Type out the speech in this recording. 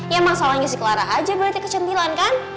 ya emang salahnya si clara aja berarti kecantilan kan